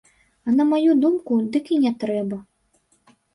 А на маю думку, дык і не трэба.